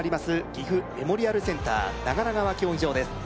岐阜メモリアルセンター長良川競技場です